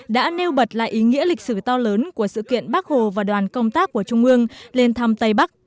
đã nêu bật lại ý nghĩa lịch sử to lớn của sự kiện bác hồ và đoàn công tác của trung ương lên thăm tây bắc